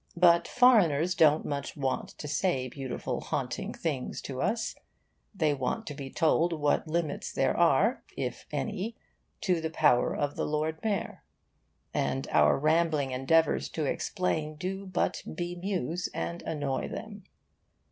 But foreigners don't much want to say beautiful haunting things to us; they want to be told what limits there are, if any, to the power of the Lord Mayor; and our rambling endeavours to explain do but bemuse and annoy them.